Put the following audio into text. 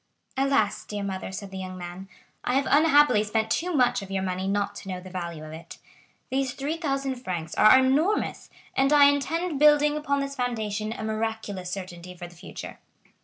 "Alas, dear mother," said the young man, "I have unhappily spent too much of your money not to know the value of it. These 3,000 francs are enormous, and I intend building upon this foundation a miraculous certainty for the future."